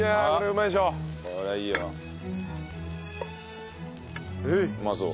うまそう。